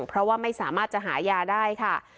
เพราะว่าไม่สามารถจะหายาได้ค่ะ